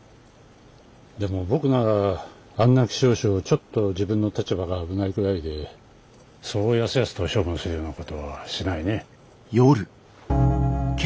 でも僕ならあんな希少種をちょっと自分の立場が危ないくらいでそうやすやすと処分するようなことはしないね。